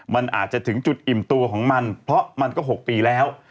มันอาจจะถึงจุดอิ่มตัวของมันเพราะมันก็๖ปีแล้ว